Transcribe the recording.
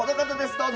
どうぞ！